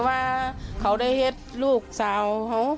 ว่าเขาได้เห็นลูกสาวเขา